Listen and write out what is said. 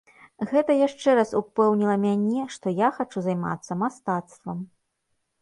Гэта яшчэ раз упэўніла мяне, што я хачу займацца мастацтвам.